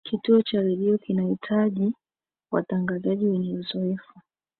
kituo cha redio kinahitaji watangazaji wenye uzoefu